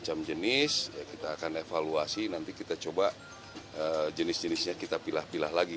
macam jenis ya kita akan evaluasi nanti kita coba jenis jenisnya kita pilah pilah lagi